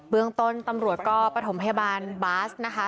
เมืองต้นตำรวจก็ประถมพยาบาลบาสนะคะ